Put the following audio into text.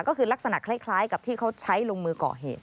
ก็คือลักษณะคล้ายกับที่เขาใช้ลงมือก่อเหตุ